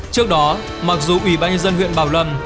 trước đó mặc dù ủy ban nhân dân huyện bảo lâm